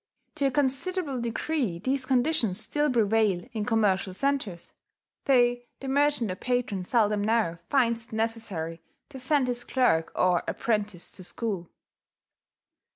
To a considerable degree these conditions still prevail in commercial centres, though the merchant or patron seldom now finds it necessary to send his clerk or apprentice to school.